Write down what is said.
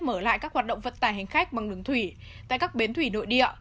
mở lại các hoạt động vận tải hành khách bằng đường thủy tại các bến thủy nội địa